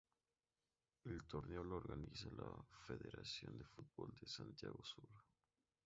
El torneo lo organiza la federación de fútbol de Santiago Sur.